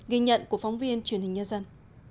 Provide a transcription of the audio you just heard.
ghi nhận của phóng viên truyền hình nhân dân